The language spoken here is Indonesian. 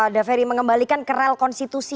daveri mengembalikan ke rel konstitusi